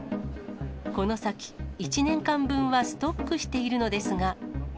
この先、１年間分はストックしているのですが。